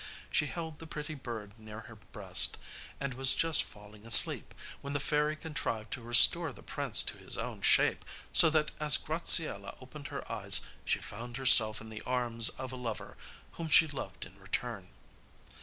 She held the pretty bird near her breast, and was just falling asleep, when the fairy contrived to restore the prince to his own shape, so that as Graziella opened her eyes she found herself in the arms of a lover whom she loved in return!